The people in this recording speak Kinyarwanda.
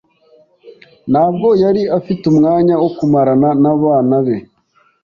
Ntabwo yari afite umwanya wo kumarana nabana be.